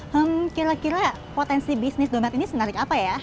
hmm kira kira potensi bisnis domes ini senarik apa ya